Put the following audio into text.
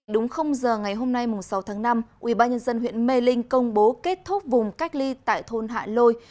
đúng giờ ngày hôm nay sáu tháng năm ubnd huyện mê linh công bố kết thúc vùng cách ly tại thôn hạ lôi